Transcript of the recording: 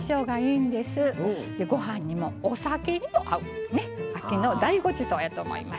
でご飯にもお酒にも合うねっ秋の大ごちそうやと思います。